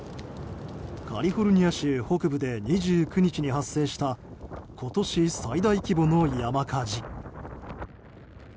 カリフォルニア州北部で２９日に発生した今年最大規模の山火事。